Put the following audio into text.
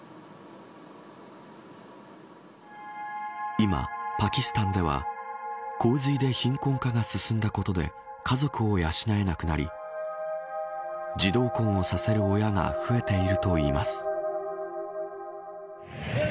今、パキスタンでは洪水で貧困化が進んだことで家族を養えなくなり児童婚をさせる親が増えているといいます。